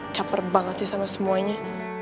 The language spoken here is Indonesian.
caper banget sih sama semuanya